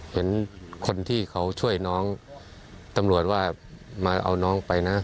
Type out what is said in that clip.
เห็นคนที่เขาช่วยน้องตำรวจว่ามาเอาน้องไปนะ